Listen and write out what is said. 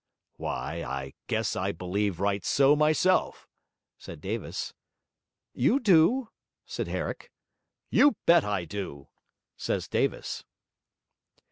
'Why, I guess I believe right so myself,' said Davis. 'You do?' said Herrick. 'You bet I do!' says Davis.